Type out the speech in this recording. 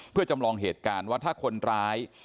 เพื่อจำลองเหตุการณ์ว่าถ้าคนร้าย